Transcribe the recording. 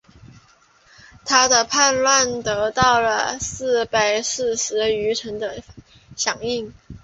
他的叛乱得到西北四十余城的响应。